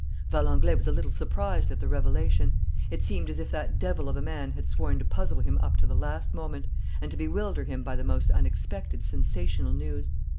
Valenglay was a little surprised at the revelation. It seemed as if that devil of a man had sworn to puzzle him up to the last moment and to bewilder him by the most unexpected sensational news.